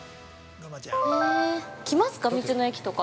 ◆来ますか、道の駅とか。